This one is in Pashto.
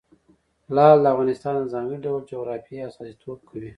لعل د افغانستان د ځانګړي ډول جغرافیه استازیتوب کوي.